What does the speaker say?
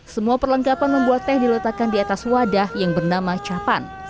semua perlengkapan membuat teh diletakkan di atas wadah yang bernama capan